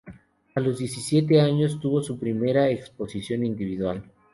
A los diecisiete años tuvo su primera exposición individual.